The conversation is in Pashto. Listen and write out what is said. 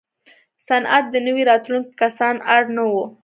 صنعت ته نوي راتلونکي کسان اړ نه وو.